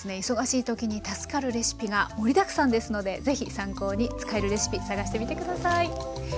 忙しい時に助かるレシピが盛りだくさんですので是非参考に使えるレシピ探してみて下さい。